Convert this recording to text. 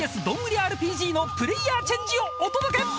ＹｅｓどんぐりＲＰＧのプレーヤーチェンジをお届け！］